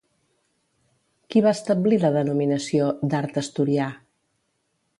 Qui va establir la denominació d'«art asturià»?